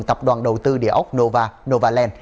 tập đoàn đầu tư địa ốc nova